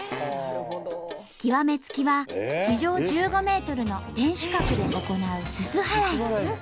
極め付きは地上１５ｍの天守閣で行うすす払い。